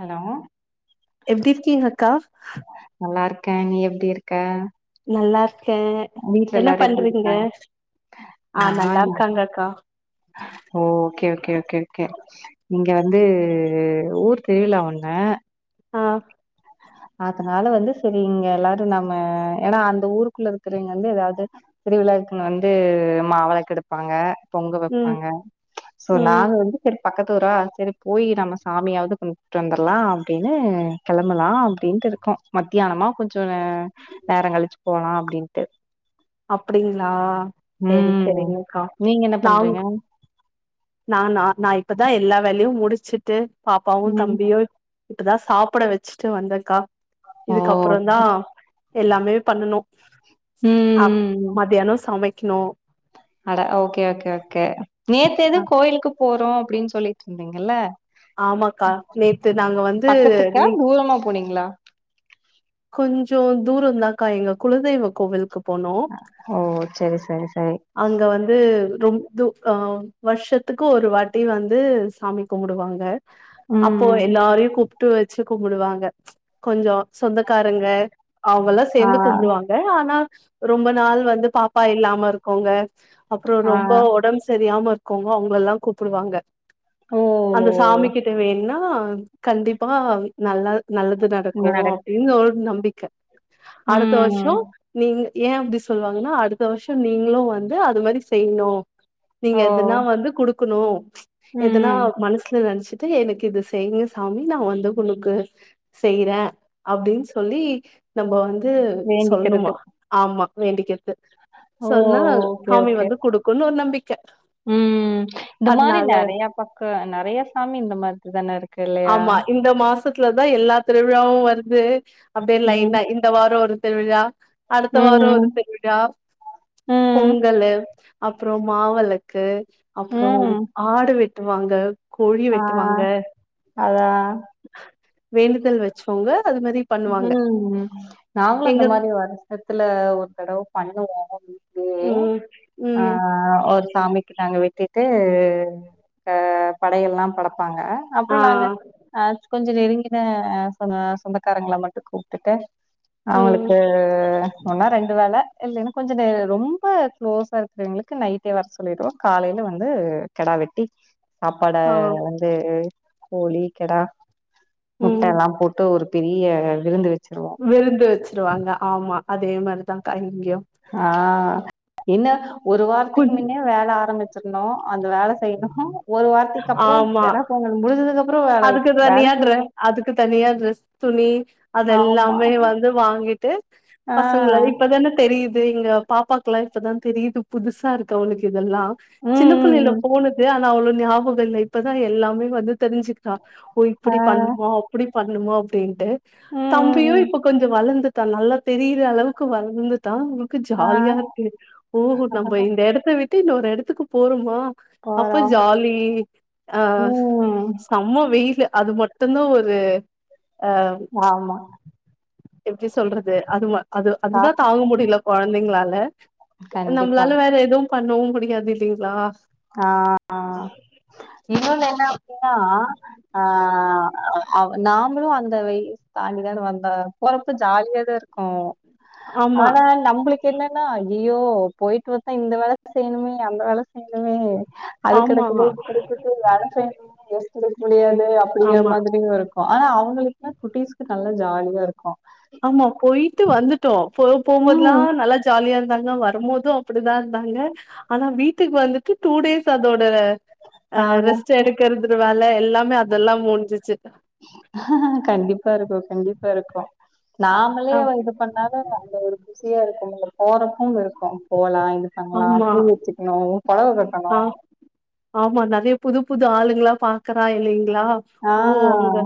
Hello எப்டிருக்கீங்க அக்கா நல்லா இருக்கே நீ எப்டி இருக்க நல்லா இருக்க வீட்ல என்ன எல்லாரு எப்டி பண்றீங்க இருக்காங்க ஆ நான் நல்லாருக்காங்க அக்கா ஓ ஓகே ஓகே ஓகே ஓகே இங்க வந்து ஊர் திருவிழா ஒண்ணு அ அதனால வந்து செரி இங்க எல்லாரு நம்ம ஏன்னா அந்த ஊருக்குள்ள இருக்கறவைங்க வந்து ஏதாவ்து திருவிழாக்குன்னு வந்து மாவெளக்கெடுப்பாங்க பொங்க ம் வப்பாங்க சோ ம் நாங்க வந்து செரி பக்கத்தூரா செரி போய் நம்ம சாமியாவ்து கும்ட்டு வந்துர்லா அப்டின்னு கெளம்பலா அப்டின்ட்டு இருக்கோ மத்தியானமா கொஞ்சோ நே நேரோ கழிச்சு போலா அப்டின் அப்டிங்களா செரி ம் செரிங்கக்கா நீங்க என்ன நாங் பண்றீங்க நானா நா இப்பதா எல்லா வேலயு முடிச்சுட்டு பாப்பாவு ம் தம்பியு இப்பதா சாப்ட வச்சுட்டு வந்தக்கா ஓ இதுக்கப்றோ தா எல்லாமே பண்ணணு ம், அ ம். மத்தியானோ சமைக்கணு அட ஓகே ஓகே ஓகே நேத்து ஏதோ அ கோயிலுக்கு போறோ அப்டின்னு சொல்லிட்ருந்திங்கல்ல ஆமாக்கா நேத்து நாங்க வந்து பக்கத்துக்கா நீ தூரமா போனீங்ளா கொஞ்சோ தூரந்தாக்கா எங்க குலதெய்வ கோவில் க்கு போனோ ஓ சரி சரி சரி அங்க வந்து ரொம்ப து அ வர்ஷத்துக்கு ஒரு வாட்டி வந்து சாமி கும்புடுவாங்க அப்போ ம். எல்லாரையு கூப்ட்டு வச்சு கும்டுவாங்க கொஞ்சோ சொந்த காரங்க அவுங்கல்லா ஆ. சேந்து கும்டுவாங்க ஆனா ரொம்ப நாள் வந்து பாப்பா இல்லாம இருக்கவுங்க அப்றோ ஆ. ரொம்ப ஒடம் சரியாம இருக்கவுங்கங்க அவுங்லெல்லா கூப்டுவாங்க ஓ! அந்த சாமிக்கிட்ட வேண்டுனா கண்டிப்பா நல்லா நல்லது நட என்ன க்குனு நடக் அப்டினு ஒரு நம்பிக்க அடுத்த வர்ஷோ ம். நீங்க ஏ அப்டி சொல்லுவாங்கன்னா அடுத்த வர்ஷோ நீங்ளு வந்து அது மாதிரி செய்ணு நீங்க ஓ! எதனா வந்து குடுக்கணு எதனா ம். மனசுல நெனச்சு எனக்கு இது செய்ங்க சாமி நா வந்து உனக்கு செய்றே அப்டின் சொல்லி நம்ம வந்து வேண்டிக்கிறது. சொல்னுமா ஆமா வேண்டிக்றது ஓ! சொன்னா ஓகே, சாமி ஓகே. வந்து குடுக்குன்னு ஒரு நம்பிக்க ம் இந்த மாதிரி அதனால நறைய பக்கோ நறைய சாமி இந்த மாதிரி தானா இருக் ஆமா இந்த மாசத்துல தா எல்லா திருவிழாவு வருது அப்டியே ம். லைன்னா இந்த வாரோ ஒரு திருவிழா அடுத்த ம், வாரோ ஒரு ம். திருவிழா ம். பொங்கலு அப்றோ மாவிளக்கு அப்றோம் ம். ஆடு வெட்டுவாங்க கோழி ஆ வெட்டுவாங்க அதா வேண்டுதல் வச்சோங்க அது மாரி பண்ணுவாங்க ம் நாங்ளு அந்த எங்க மாதிரி வர்ஷத்துல ஒரு தடவ அந்த மாதிரி பண்ணுவோ அப்டியே ம் ஆ ம் ஒரு சாமிக்கு நாங்க வெட்டிட்டு படையள்ல்லா படைப்பாங்க அப்றோ ஆ நாங்க அ கொஞ்சோ நெருங்கிய சொந்த சொந்நகார க்காரங்கள மட்டு கூப்ட்டுட்டு ம் அவுங்களுக்கு ஒன்னா ரெண்டு வேல இல்லன்னா கொஞ்சோ ரொம்ப க்ளோஸா இருக்கிறவங்ளுக்கு நைட்டே வர சொல்லிடுவோ காலையில வந்து கெடா வெட்டி சாப்பாட ஆ வந்து கோழி கெடா ம் முட்டல்லா போட்டு ஒரு பெரிய விருந்து வச்சிருவோ விருந்து வச்சிருவாங்க ஆமா அதே மாரிதாங்கா இங்கியு அ இன்ன ஒரு வாரத்துக்கு கொஞ் முன்னே வேல ஆரம்மிச் அந்த வேல செய்ணு ஒரு வார்த்தைக்கு அப்றோ ஆமா கெடா பொங்க முடி்சதுக்கு அப்றோ அதுக்கு தனியாத ட்ர அதுக்கு தனியா ட்ரஸ் துணி ஆமா. அதெல்லாமே வந்து வாங்கிட்டு ஆ. பசங்கள இப்பதான தெரியுது எங்க பாப்பாக்ல்லா இப்பதா தெரியுது புதுசா இருக்கு அவளுக்கு இதெல்லா ம், சின்ன புள்ளைல ம், ம். போனது அ போ நியாபகோ இல்ல இப்பதா எல்லாமே வந்து தெரிஞ்சுக்கிறா ஓ ஆ. இப்டி பண்ணு மா அப்டி பண்ணுமோ அப்டின்ட்டு ம், ம், தம்பியு ம். இப்ப கொஞ்சோ வளந்து டா நல்லா தெரிற அளவுக்கு வளந்துட்டா ஆ. ஜாலியா இருக்கு ஓ நம்ம இந்த எடத்த விட்டு இன்னொரு எடத்துக்கு போறோமா அப்ப போறோம். ஜாலி ஆ ம். செம்ம வெயிலு அது மட்டுந்தா ஒரு ஆ ஆமா. எப்டி சொல்றது அது ம அது அதுதா தாக்கம் தாங்க முடியல கொழந்தைங்களால கண்டிப்பா. நம்மளால வேற எதுவும் பண்ணவும் முடியாது இல்லைங்களா ஆ இன்னொன்னு என்ன அப்டின்னா ஆ அவ நாமளும் அந்த வய தாண்டிதான வந்தோ பொறப்ப ஜாலிய தா இரு க்கும் ஆமா ஆனா நம்மளுக் என்னன்னா ஐயயோ போயிட்டு வத்தா இந்த வேல செய்யணுமே அந்த வேல செய்யணுமே அது ஆமா கெடக்குது இது கெடக்குது வேல செய்ய முடியாது அப்டிங்கிற ஆமா மாதிரியும் இருக்கும் ஆனா அவங்களுக்குல்லாம் குட்டிஸ்க்கு நல்லா ஜாலியா இருக்கும் ஆமா போயிட்டு வந்துட்டோ போ போம்போதல்லா ம். நல்லா ஜா ஜாலியா இருந்தாங்க வரும்போதும் அப்டிதா இருந்தாங்க ஆனா வீட்டுக்கு வந்துட்டு டூ டேஸ் அதோட ஆ ரெஸ்ட் எடுக்கறது வேல எல்லாமே அதெல்லாம் முடிஞ்சிச்சு கண்டிப்பா இருக்கும் கண்டிப்பா இருக்கும் நாமளே ஆ பண்ணாலும் அந்த ஒரு குசியா இருக்கும் போறப்பவும் இருக்கும் போலா இப்டி பண்ணலாம் ஆமா பூ வச்சக்கணும் பொடவ ஆ கட்டணும் ஆமா நறைய புது புது ஆளுங்களா பாக்குறா இல்லைங்களா ஆ. ஓ அவங்க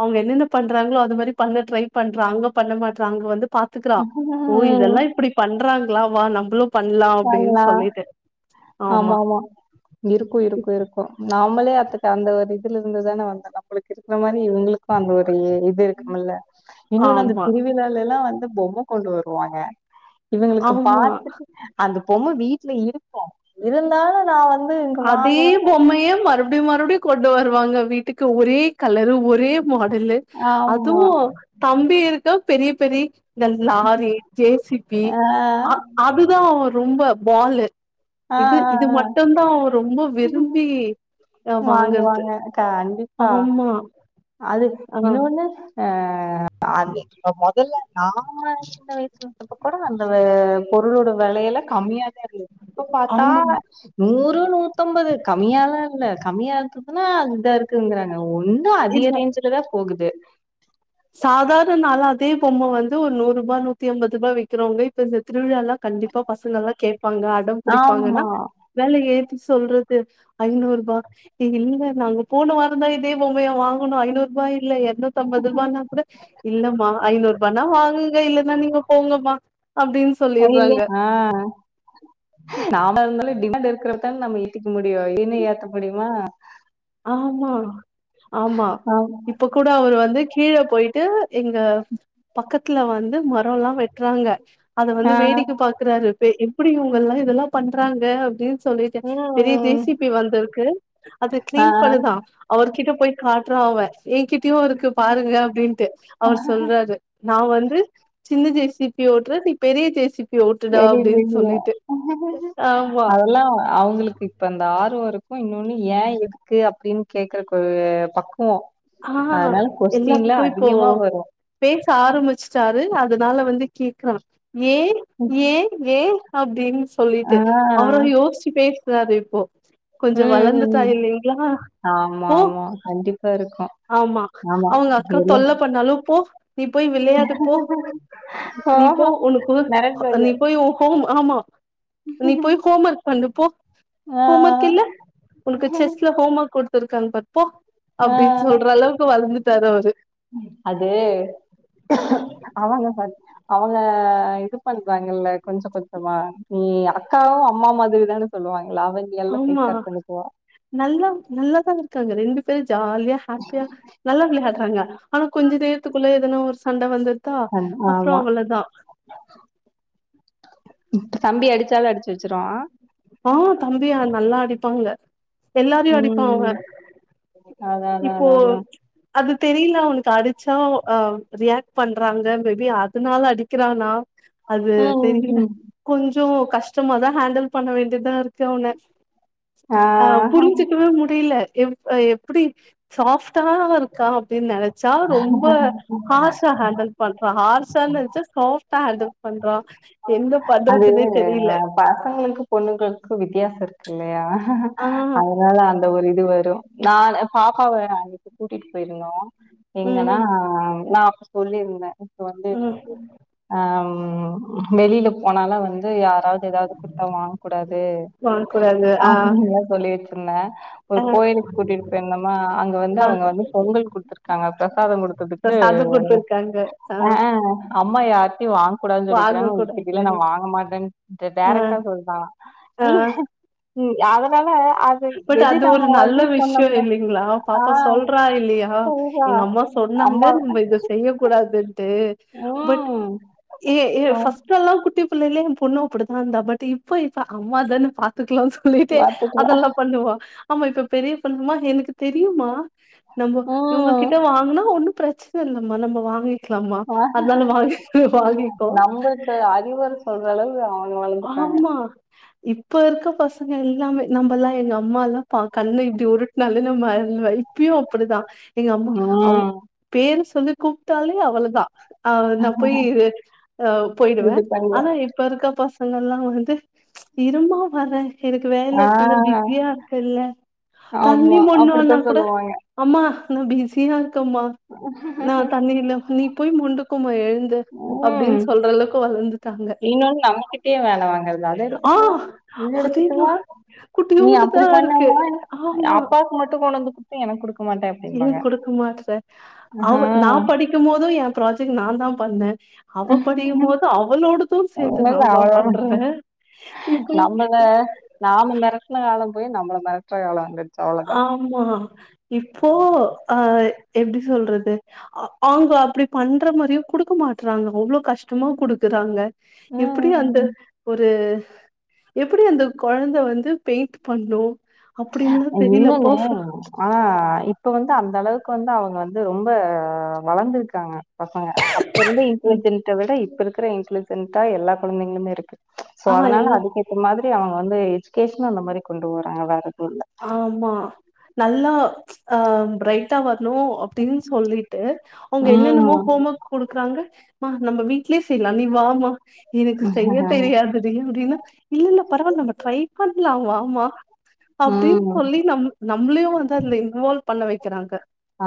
அவங்க என்னென்ன பண்றாங்களோ அது மாரி பண்ண ட்ரை பண்றாங்க பண்ண மாட்டறாங்க வந்து பா த்துக்கறா ஓ ம். இதெல்லா இப்டி பண்றாங்களா வா நம்மளும் பண்ணலா தன்னா ஆமா ஆமா இருக்கும் இருக்கும் இருக்கும் நாமளே அதுக்கு அந்த ஒரு இதுல இருந்து தானே வந்த நம்மளுக்கு இரு க்கிற மாரி இவங்களுக்கும் அந்த ஒரு இது இரு ல்ல இன்னொன்னு அந்த ஆமா திருவிழாலல்லா வந்து பொம்ம கொண்டு வருவாங்க இவங்களுக்கு ஆமா பாத்தட்டு அந்த பொம்ம வீட்ல இருக்கும் இருந்தாலும் நா வந் அதே பொம்மைய மறுப படியும் மறுபடியும் கொண்டு வருவாங்க வீட்டுக்கு ஒரே கலரு ஒரே மாடல்லு ஆமா அதுவும் தம்பி இருக்க பெரிய பெரி இந்த லாரி ஜே சி பி ஆஹ் ஆ அதுதா ரொம்ப பாலு இது ஆஹ் ஆஹ் இது ஆஹ். மட்டுந்தா ரொம்ப விரும்பி அ வாங்கறது வாங்குவாங்க கண்டிப்பா ஆமா அது ஆ இன்ன ஒண்ணு ஆ அது மொதல்ல நாம சின்ன வயசுல ப்ப கூட அந்த பொருளோட விலையெல்லா கம்மியாதா இருந்தது இப்ப பாத்தா ஆமா நூறு நூ த்தம்பது கம்மியால்லா இல்ல கம்மியா இருந்ததுன்னா அதா இருக்குங்கிறாங்க ஒன்ன ன்னும் அதிக இல்ல ரேஞ்சல தா போகுது சாதாரண நாள அதே பொம்ம வந்து ஒரு நூறு ரூபா நூத்தி அம்பது ரூபா விக்கிறவங்க இப்ப இந்த திருவிழால்லா கண்டிப்பா பசங்கல்லா கேட்பாங்க அடம் பிடிப்பாங்கன்னா ஆமா வேல ஏத்தி சொல்றது ஐநூறுபா இல்ல நாங்க போண வாரந்தா இதே பொம்மைய வாங்குணோ ஐநூறுபா இல்ல எரநூத்தம்பது ரூபான்னா கூட இல்லம்மா ஐநூறு ரூபானா வாங்குங்க இல்லன்னா நீங்க போங்கம்மா அப்டின்னு சொ இல்ல ஆ நாம இருந்தாலும் டிமாண்ட் இருக்கிற நம்ம ஏத்திக்க முடியும் இன்னும் ஏத்த முடியுமா ஆமா ஆமா ஆமா இப்ப கூட அவரு வந்து கீழ போயிட்டு எங்க பக்கத் வீட்ல வந்து மரோல்லா வெட்றாங்க அத வந்து ஆ வேடிக்க பாக் குறாரு பே எப்டி இவுங்கெல்லா இதெல்லா பண்றாங்க அப்டின் சொல்லிட்டு பெரிய ஜே ம் சி பி வந்துருக்கு அது ஆ க்ளீன் பண்ணுதா அவருகிட்ட போயி காட்றா அவே ஏங்கிட்டயு இருக்கு பாருங்க அப்டின்ட்டு அவரு சொல்றாரு நா வந்து சின்ன ஜே சி பி ஓட்டுற நீ பெரிய ஜே சி பி ஓட்டுடா தெரியு அப்டின் தெரிய சொல்லிட்டு ஆமா அதெல்லா அவுங்களுக் இப்ப அந்த ஆர்வோருக்கு இன்னோன்னு ஏ எதுக்கு அப்டின்னு கேக்குறக்கு ஒரு பக்குவோ ஆ அதனால கொஸ்டின் எல்லா எல்லாத்துக்கு இப்போ அதிகமா வரு பேச ஆரம்பிச்சிட்டாரு அதுனால வந்து கேக்குறா ஏ ஏ ஏ அப்டின்னு ஆ சொல்லிட்டு அவர யோசிச்சு பேசுறாரு இப்போ கொஞ்சோ ம் வளர்ந்துட்டா ம் இல்லைங்களா ஆமா போ ஆமா கண்டிப்பா இருக்கு ஆமா அவுங்க அக்கா தொல்ல பண்ணாலு போ நீ போயி விளையாடு போ நீ போ ஆஹா! உனக்கு நடந்தது. நீ போயி உ ஹோம் ஆமா நீ போயி ஹோம் ஒர்க் பண்ணு போ ஆ, ஹோம் ஒர்க் இல்ல உனக்கு செஸ்ல ஹோம் ஒர்க் குடுத்துருக்காங்க பாரு போ ஆ. அப்டின்னு சொல்ற அளவுக்கு வளந்துட்டாரு அவரு அதுவே அவங்க [unintelligible] அவங்க இது பண்றாங்கல்ல கொஞ்சோ கொஞ்சமா நீ அக்காவு அம்மா மாதிரி தானு சொல்லுவாங்களா அவுங்க எல்லா ஆமா டேக்கேர் பண்ணிக்குவா நல்லா நல்லாதா இருக்காங்க ரெண்டு பேரு ஜாலியா ஹாப்பியா நல்லா விளையாடுறாங்க ஆனா கொஞ்ச நேரத்துக்குள்ள எதனா ஒரு சண்ட வந்து அ ஆமா இப்ப தம்பி அடுச்சாலு அடுச்சு வச்சிருவா ஆ தம்பியா நல்லா அடிப்பாங்க எல்லாரையு அடிப்பா அவே அதா இப்போ அது தெரியல அவனக்கு அடிச்சா ஆ ரியாக்ட் பண்றாங்க மேபி அதனால அடிக்கிறானா அது ம், தெரியல ம். கொஞ்சோ கஷ்டமாதா ஹேண்டல் பண்ண வேண்டியதா இருக்கு அவன ஆ புரிஞ்சுக்கவே முடியல எ எப்டி சாஃப்டாதா இருக்கா அப்டின்னு நெனச்சா ரொம்ப ஹார்ஷா ஹேண்டல் பண்றா ஹார்ஷான்னு நெனச்சா சாஃப்டா ஹேண்டல் பண்றா என்ன அது பண்றதுன்னே தெரியில பசங்களுக்கு பொண்ணுங்களுக்கு வித்தியாசோ இருக்கு இல்லையா ஆ அதனால அந்த அந்த ஒரு இது வரு நா பாப்பாவ அன்னைக்கு கூட்டிட்டு போயிருந்தோ எங்கனா ம் நா சொல்லியிருந்தே இப்ப வந்து ம் [unintelligible] ஆ ம் வெளியில போனாலே வந்து யாராவது எதாவது குடுத்தா வாங்க கூடாதுனு வாங்க கூடாது ஆ அப்படின்னுல்லா சொல்லி வச்சிருந்தே ஒரு ஆ கோயிலுக்கு கூட்டிட்டு போயிருந்தோமா அங்க வந்து ஆ அவுங்க வந்து பொங்கல் குடுத் தாங்க பிரசாதோ இப்ப குடுத்ததுக்கு சாதம் குடுத்துருக்காங்க ஆ அ அ அம்மா யார்டயு வாங்க கூடாதுனு வாங்க சொல்லிக்கிறாங்க உங்க கூடாது கிட்டலா நா வாங்க மாட்டேனு ஆ டேரைக்டா சொல்டா ஆ ம் அதனால அ பட் அது ஒரு நல்ல விஷ்யோ இல்லிங்ளா ஆ பாப்பா சொல்றா இல்லியா ஆ சொல்றா எங்க அம்மா சொன்னாங்க அம்மா நம்ம இத செய்ய கூடாதுன்ட்டு பட் ம் ஏ ஏ ஆ ஃபஸ் ட்லல்லா குட்டி பிள்ளைல எ பொண்ணு அப்படிதா இந்தா பட் இப்ப இப்ப அம்மா தான பாத்துக்கலான் சொல்லிட்டு பாத்துக்கலா அதெல்லா பண்ணுவா ஆமா இப்ப பெரிய பொண்ணுமா எனக்கு தெரியுமா நம்ம ம் இவங்ககிட்ட வாங்குனா ஒன்னு பிரச்சன இல்லம்மா நம்ம வாங்கி க்லாமா ஆ அதனால வாங்கிக்கோ வாங்கிக்கோ இப்ப அறிவர் சொல்ற அளவு ஆ ஆமா இப்ப இருக்க பசங்க எல்லாமே நம்பல்லா எங்க அம்மால்லா பாக் கண்ண இப்டி உருட்னாலே நம்ம [unintelligible] இப்பியு அப்பிடிதா எங்க அம்மா அவ் ம் பேர சொல்லி கூப்ட்டாலே அவ்வளதா அவ்ளந்தா போய் ஆ போய்டுவ இது பண்ணுவ ஆனா இப்ப இருக்க பச அங்கல்லா வந்து இரும்மா வர எனக்கு வேல ஆ இருக்குல்ல பிஸியா இருக்குல்ல தண்ணி ஆமா அப்படித்தா மோண்வான்னா கூட சொல்லுவாங்க அம்மா நா பிஸியா இருக்கம்மா நா தண்ணி இல்ல நீ போய் மோண்டுக்கோமா எழ் ந்து ம் அப்டின் சொல்ற அளவுக்கு வளந்துட்டாங்க இன்னொன்னு நமக்கு குட்டியா வேல வாங்குறது அத ஆ எடுத்துட்டு வா இத எடுத்துட்டு வா அதேதான் நீ குட்டியூண்டு அப்படி தான் இருக்கு பண்ணல்ல ஆமா அப்பாவுக்கு மட்டு கொண்டந்து குடுத்த எனக்கு குடுக் ஏ குடுக்க மாட்ற ஆ அவ நா படிக்கும் போது எ ப்ராஜெக்ட் நாந் தா பண்ண அவ படிக்கு போது அவளோடுது சேத்து நாந் தா அவ்ளோ பண்ற இப்ப நம்மள நாம மெரட்ன காலம் போய் நம்மள மெரட்ற காலோ வந்து ஆமா இப்போ ஆ எப்டி சொல்றது ஆ அவங்க அப்டி பண்ற மாரியு குடுக்க மாட்றாங்க அவ்வளோ கஷ்டமா குடுக்குறாங்க எப்டி அந்த ஒரு எப்பிடி அந்த கொழந்த வந்து பெயிண்ட் பண்ணு அப்டின்லா அ தெரில பர்ஃப என்னங்க அ இப்ப வந்து அந்த அளவுக்கு வந்து அவங்க வந்து ரொம்ப வளந்திருக்காங்க பசங்க அப்ப இருந்த ம் இன்டெலிஜென்ட்ட விட இப்ப இருக்கிற இன்டெலிஜென்டா எல்லா கொழந்தைங்களுமே இருக்கு சோ ஆ அதனால எல்லா அதுக்கேத்த மாதிரி அவங்க வந்து எஜிகேஷனு அந்த மாரி கொண்டு போறாங்க வேறெது இல்ல ஆமா நல்லா ஆ ப்ரைட்டா வர்ணு அப்டின் சொல்லிட்டு அவங்க என்னென்னமோ ம் ஹோம் ஒர்க் குடுக்குறாங்க மா நம்ம வீட்லே செய்லா நீ வாமா எனக்கு செய்ய தெரியாது தியா அப்டின்னா இல்ல இல்ல பரவால்ல நம்ம ட்ரை பண்லா வாமா அப்டின் ம் சொல்லி நம் நம்ளையு வந்து அதுல இன்வால்வ் பண்ண வைக்கிறாங்க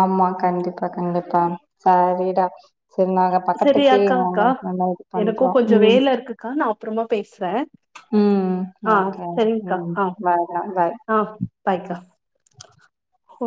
ஆமா கண்டிப்பா கண்டிப்பா சாரிடா சேரி நாங்க சரி பக்கத்துக்கே அக்கா அக்கா [unintelligible] இது பண்றோ ம் கா நா அப்றமா பேசுற ம் ஓகே ம் ஆ பாய்டா பாய் ஆ பாய்கா ஓ